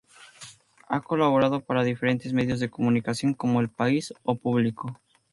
Ha colaborado para diferentes medios de comunicación como "El País" o "Público".